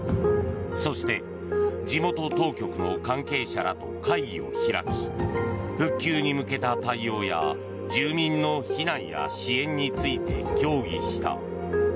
そして、地元当局の関係者らと会議を開き復旧に向けた対応や住民の避難や支援について協議した。